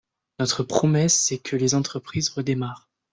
Notre promesse, c’est que les entreprises redémarrent.